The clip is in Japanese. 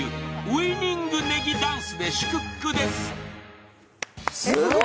ウィニングネギダンスで祝福です。